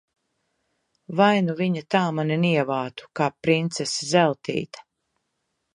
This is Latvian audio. Vai nu viņa tā mani nievātu, kā princese Zeltīte!